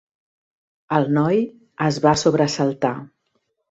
El noi es va sobresaltar.